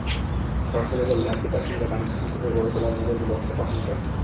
সরাসরি বললে, আফ্রিকার সঙ্গে বাণিজ্য সম্পর্ক গড়ে তোলায় নজর দিল ওয়াশিংটন।